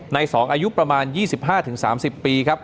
ใน๒อายุประมาณ๒๕๓๐ปีครับ